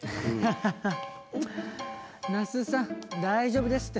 ハハハ那須さん大丈夫ですって。